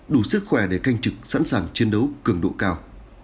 đủ sức khỏe để canh trực sẵn sàng chiến đấu cường độ cao